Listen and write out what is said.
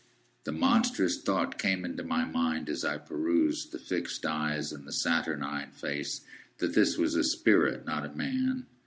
The monstrous thought came into my mind, as I perused the fixed eyes and the saturnine face, that this was a spirit, not a man.